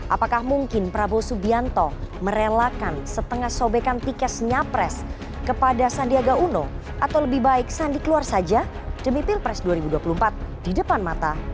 apakah mungkin prabowo subianto merelakan setengah sobekan tiket senyapres kepada sandiaga uno atau lebih baik sandi keluar saja demi pilpres dua ribu dua puluh empat di depan mata